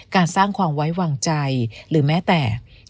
การสร้างความไว้วางใจหรือแม้แต่